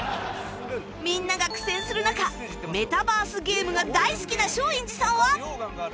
みんなが苦戦する中メタバースゲームが大好きな松陰寺さんは